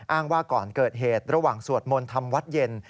อ้างว่าก่อนเกิดเหตุระหว่างสวดมนต์ทำวัดเย็น